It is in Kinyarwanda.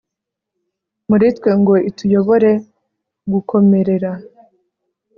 muri twe ngo ituyobore gukomerera